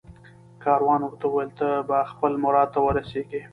کاروان ورته وویل ته به خپل مراد ته ورسېږې